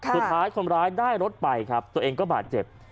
สุดท้ายคนร้ายได้รถไปครับตัวเองก็บาดเจ็บ